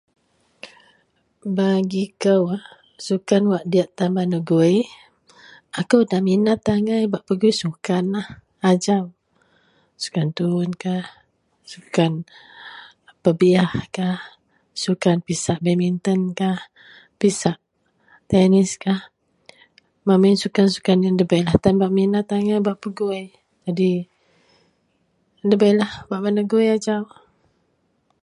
Bagikou sukan wak diyak tan bak negui, akou nda minat angai bak pegui sukanlah ajau. Sukan tuwun kah, sukan pebiyah kah, sukan pisak badminton kah, pisak teniskah, memin sukan-sukan ndabeilah minat angai bak pegui jadi ndabeilah wak bak negui ajau